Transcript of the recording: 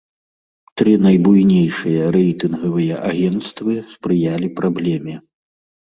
Тры найбуйнейшыя рэйтынгавыя агенцтвы спрыялі праблеме.